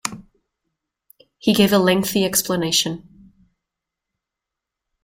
He gave a lengthy explanation.